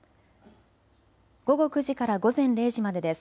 午後９時から午前０時までです。